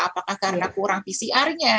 apakah karena kurang pcr nya